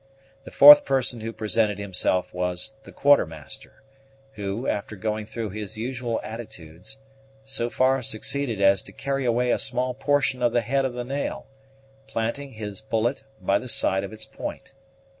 The fourth person who presented himself was the Quartermaster, who, after going through his usual attitudes, so far succeeded as to carry away a small portion of the head of the nail, planting his bullet by the side of its point.